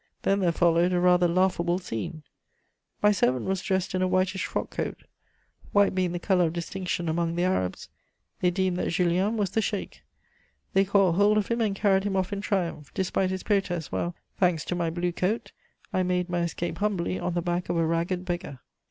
Then there followed a rather laughable scene: my servant was dressed in a whitish frock coat; white being the colour of distinction among the Arabs, they deemed that Julien was the sheik. They caught hold of him and carried him off in triumph, despite his protests, while, thanks to my blue coat, I made my escape humbly on the back of a ragged beggar."